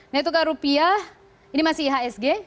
nilai tukar rupiah ini masih ihsg